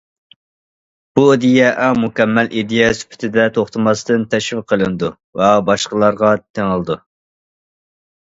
بۇ ئىدىيە ئەڭ مۇكەممەل ئىدىيە سۈپىتىدە توختىماستىن تەشۋىق قىلىنىدۇ ۋە باشقىلارغا تېڭىلىدۇ.